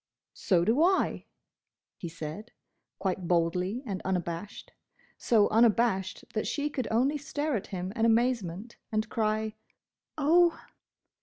"So do I!" he said, quite boldly and unabashed: so unabashed that she could only stare at him in amazement and cry "Oh!"